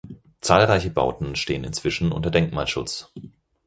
Zahlreiche Bauten stehen inzwischen unter Denkmalschutz.